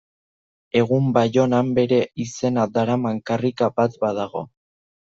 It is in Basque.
Egun Baionan bere izena daraman karrika bat badago.